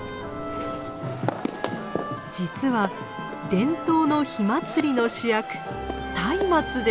実は伝統の火祭りの主役松明です。